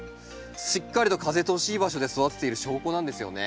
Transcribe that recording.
しっかりと風通しいい場所で育てている証拠なんですね。